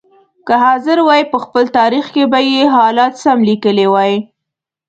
که حاضر وای په خپل تاریخ کې به یې حالات سم لیکلي وای.